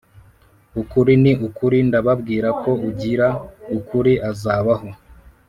Ukuri ni ukuri ndababwira ko ugira ukuri azabaho